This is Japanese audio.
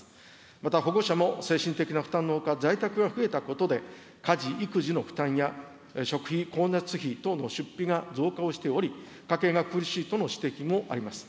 また、保護者も精神的な負担のほか在宅が増えたことで、家事、育児の負担や、食費・光熱費等の出費が増加をしており、家計が苦しいとの指摘もあります。